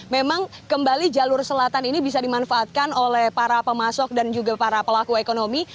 memang kembali jalur selatan ini bisa dimanfaatkan oleh para pemasok dan juga para pelaku ekonomi